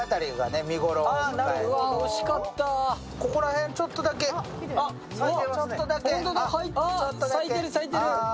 ここら辺、ちょっとだけ咲いてますね。